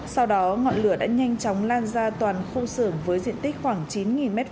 sau đó ngọn lửa đã nhanh chóng lan ra toàn khu xưởng với diện tích khoảng chín m hai